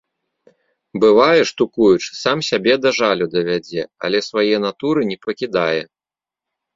Бывае, штукуючы, сам сябе да жалю давядзе, але свае натуры не пакідае.